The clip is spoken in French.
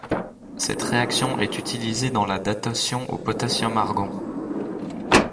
Cette réaction est utilisée dans la datation au potassium-argon.